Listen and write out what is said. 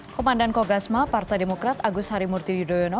komandan kogasma partai demokrat agus harimurti yudhoyono